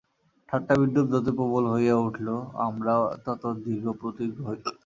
ঠাট্টা-বিদ্রূপ যতই প্রবল হইয়া উঠিল, আমরাও তত দৃঢ়প্রতিজ্ঞ হইলাম।